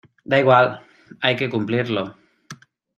da igual, hay que cumplirlo.